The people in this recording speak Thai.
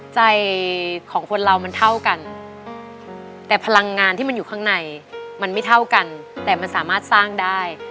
ใจของคนเรามันเท่ากันแต่พลังงานที่มันอยู่ข้างในมันไม่เท่ากันแต่มันสามารถสร้างได้